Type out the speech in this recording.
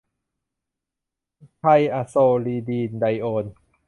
ไธอะโซลิดีนไดโอน